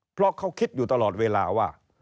เพราะเขาคิดอยู่ตลอดเวลาว่า